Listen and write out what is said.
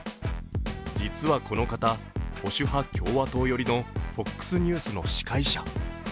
実はこの方、保守派共和党よりのＦＯＸニュースの司会者。